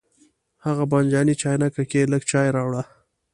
هغه بانجاني چاینکه کې لږ چای راوړه.